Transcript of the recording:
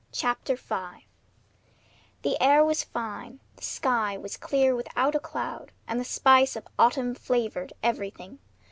CHAPTER V The air was fine; the sky was clear without a cloud; and the spice of autumn flavored everything.